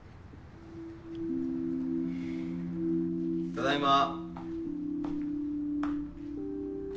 ただいま。